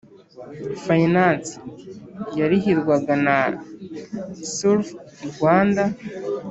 Finance yarihirwaga na Surf Rwanda